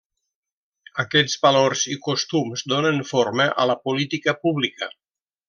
Aquests valors i costums donen forma a la política pública.